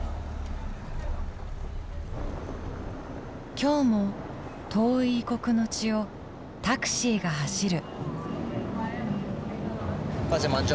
今日も遠い異国の地をタクシーが走る。